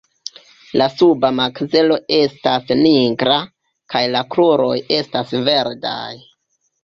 La suba makzelo estas nigra, kaj la kruroj estas verdaj.